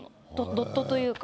ドットというか。